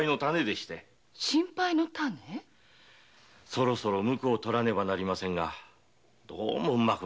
そろそろムコを取らねばなりませんがどうもうまくまいりません。